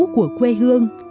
của quê hương